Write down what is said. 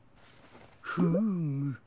フーム。